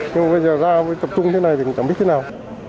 nhưng mà ra tập trung thế này thì chẳng biết thế nào